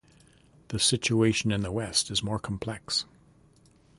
The situation in the West is more complex.